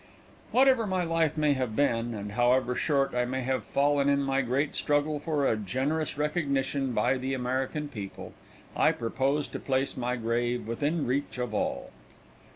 Whatever my life may have been, and however short I may have fallen in my great struggle for a generous recognition by the American people, I propose to place my grave within reach of all.